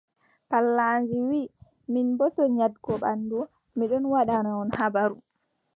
Pallandi wii, min boo, to nyaaɗgo ɓanndu, mi ɗon waddana on habaru.